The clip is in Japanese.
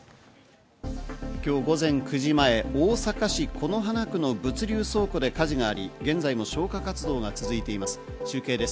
今日午前９時前、大阪市此花区の物流倉庫で火事があり、現在も消火活動が続いています。